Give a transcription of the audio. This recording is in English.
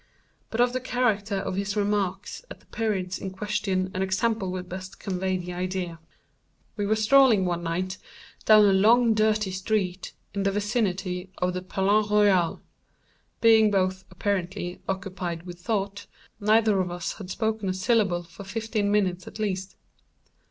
But of the character of his remarks at the periods in question an example will best convey the idea. We were strolling one night down a long dirty street in the vicinity of the Palais Royal. Being both, apparently, occupied with thought, neither of us had spoken a syllable for fifteen minutes at least.